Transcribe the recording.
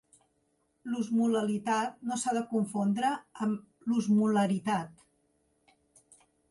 L'osmolalitat no s'ha de confondre amb l'osmolaritat.